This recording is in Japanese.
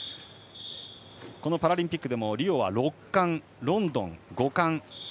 パラリンピックでもリオは６冠ロンドン、５冠。